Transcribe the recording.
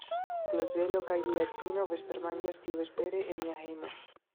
Klozelo kaj lia edzino vespermanĝas tiuvespere en nia hejmo.